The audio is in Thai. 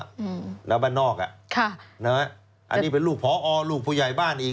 อืมแล้วบ้านนอกอ่ะค่ะนะฮะอันนี้เป็นลูกพอลูกผู้ใหญ่บ้านอีก